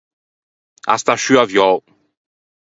A stà sciù aviou.